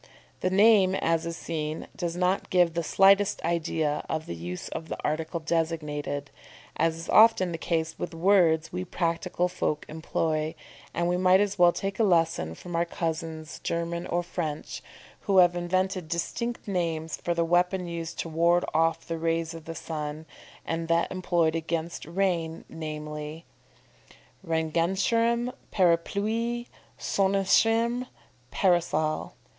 The name, as is seen, does not give the slightest idea of the use of the article designated, as is often the case with words we practical folk employ; and we might well take a lesson from our cousins German or French, who have invented distinct names for the weapon used to ward off the rays of the sun, and that employed against rain, namely, Regenschirm, parapluie; Sonnenschirm, _parasol.